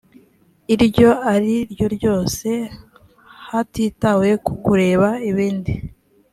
iryo ari ryo ryose hatitawe ku kureba ibindi